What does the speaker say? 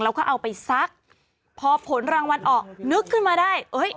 แล้วก็เอาไปซักพอผลรางวัลออกนึกขึ้นมาได้เอ้ย